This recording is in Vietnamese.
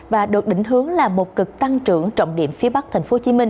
và được đỉnh hướng là một cực tăng trưởng trọng điểm phía bắc thành phố